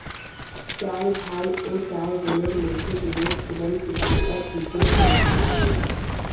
চার ভাই ও চার বোনের মধ্যে দীনেশ ছিলেন পিতামাতার তৃতীয় সন্তান।